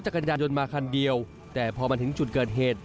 จักรยานยนต์มาคันเดียวแต่พอมาถึงจุดเกิดเหตุ